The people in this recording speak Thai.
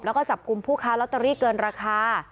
แล้วก็จับกลุ่มผู้ค้าลอตเตอรี่เกินราคา